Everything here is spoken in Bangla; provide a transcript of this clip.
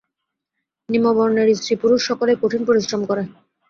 নিম্নবর্ণের স্ত্রী-পুরুষ সকলে কঠিন পরিশ্রম করে।